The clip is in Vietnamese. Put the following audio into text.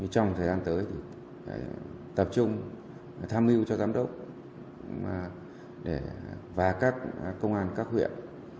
trong thời gian tới tập trung tham mưu cho giám đốc và các công an các huyện